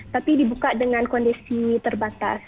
tapi dibuka dengan kondisi terbatas